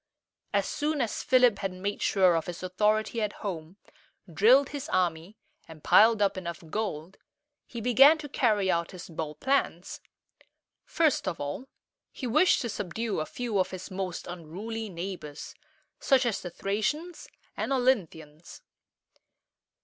As soon as Philip had made sure of his authority at home, drilled his army, and piled up enough gold, he began to carry out his bold plans. First of all, he wished to subdue a few of his most unruly neighbors, such as the Thracians and O lyn´thi ans.